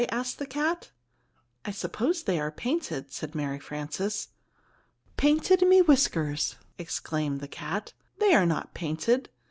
asked the cat. "I suppose they are painted," said Mary Frances. "Painted, me whiskers!" exclaimed the cat. "They are not painted.